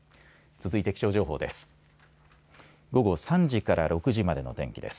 続いて気象情報です。